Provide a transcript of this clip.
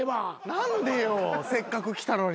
何でよせっかく来たのに。